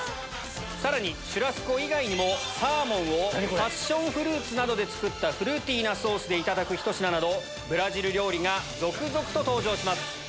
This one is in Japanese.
さらにシュラスコ以外にもサーモンをパッションフルーツなどで作ったフルーティーなソースでいただくひと品などブラジル料理が続々と登場します。